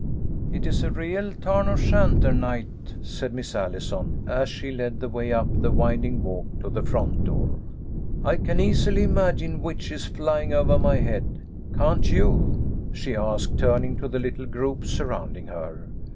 " It is a real Tarn O'Shanter night," said Miss Allison, as she led the way up the winding walk to the front door. " I can easily imagine witches flying over my head. Can't you ?" she asked, turn ing to the little group surrounding her.